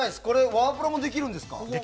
ワープロもできるんですか。